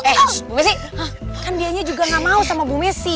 eh bu messi kan dianya juga gak mau sama bu messi